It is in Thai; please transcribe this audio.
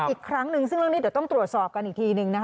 อีกครั้งหนึ่งซึ่งเรื่องนี้เดี๋ยวต้องตรวจสอบกันอีกทีนึงนะคะ